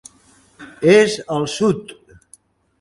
És al sud!